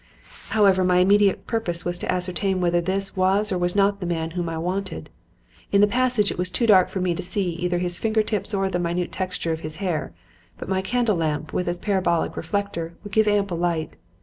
"However, my immediate purpose was to ascertain whether this was or was not the man whom I wanted. In the passage it was too dark to see either his finger tips or the minute texture of his hair; but my candle lamp, with its parabolic reflector, would give ample light.